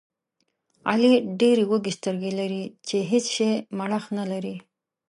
علي ډېرې وږې سترګې لري، په هېڅ شي مړښت نه لري.